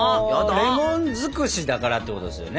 レモン尽くしだからってことですよね。